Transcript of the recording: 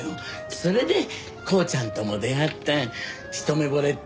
それでコウちゃんとも出会って一目惚れっていうの？